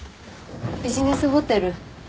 ビジネスホテル。